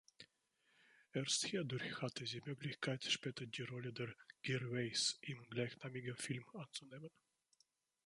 Erst hierdurch hatte sie Möglichkeit, später die Rolle der Gervaise im gleichnamigen Film anzunehmen.